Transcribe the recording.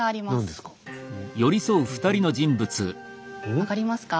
分かりますか？